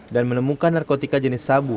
dan menemukan narkotika jenis sabu